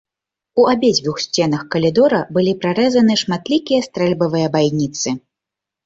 У абедзвюх сценах калідора былі прарэзаны шматлікія стрэльбавыя байніцы.